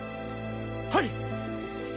はい！